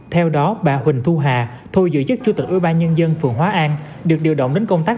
theo đó bà huỳnh thu hà thôi giữ chức chủ tịch ủy ban nhân dân phường hóa an được điều động đến công tác